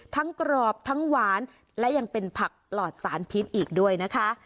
กรอบทั้งหวานและยังเป็นผักปลอดสารพิษอีกด้วยนะคะ